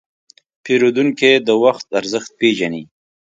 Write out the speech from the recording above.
پیرودونکی د وخت ارزښت پېژني.